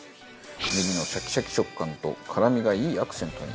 ねぎのシャキシャキ食感と辛みがいいアクセントに。